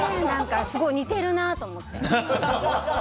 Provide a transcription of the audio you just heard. すごい似てるなと思って。